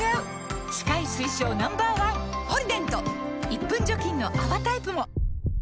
１分除菌の泡タイプも！